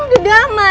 kamu udah damai